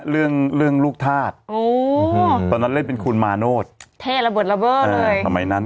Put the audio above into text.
เรื่องเรื่องลูกทาสตอนนั้นเล่นเป็นคุณมาโนดเท่ระเบิดระเบิดเลย